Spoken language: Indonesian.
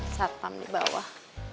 satpam di bawah